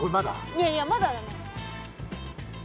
いやいやまだだね。